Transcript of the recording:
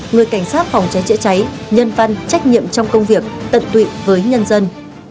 người cảnh sát phòng cháy chữa cháy nhân văn trách nhiệm trong công việc tận tụy với nhân dân